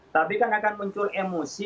tapi kan akan muncul emosi